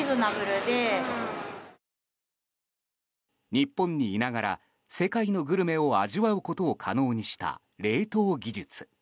日本にいながら世界のグルメを味わうことを可能にした冷凍技術。